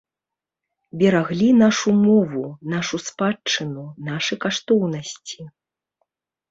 Бераглі нашу мову, нашу спадчыну, нашы каштоўнасці.